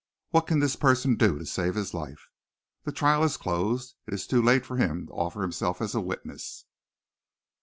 What can this person do to save his life? The trial is closed. It is too late for him to offer himself as a witness."